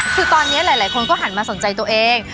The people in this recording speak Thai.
คือตอนนี้หลายคนก็หันมาสนใจตัวเอง